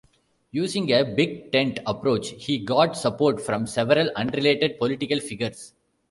Using a big tent approach, he got support from several unrelated political figures.